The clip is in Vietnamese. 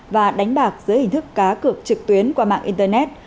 và đánh bạc giữa hình thức cá cực trực tuyến qua mạng internet